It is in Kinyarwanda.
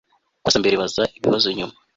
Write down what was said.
Kurasa mbere baza ibibazo nyuma